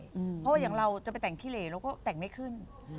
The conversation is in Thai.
เพราะว่าอย่างเราจะไปแต่งขีเหลเราก็แต่งไม่ขึ้น